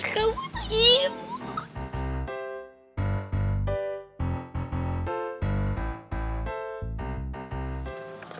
kamu tuh imut